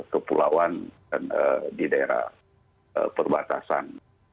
ke pulauan dan di daerah perbatasan